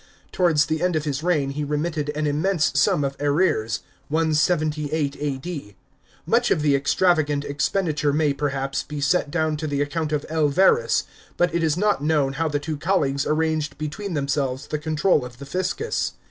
Towards the end of his reign he remitted an immense sum of arrears (178 A.D.). Much of the extravagant expenditure may, perhaps, be set down to the account of L. Verus, but it is not known how the two colleagues arranged between themselves the control of the fiscus.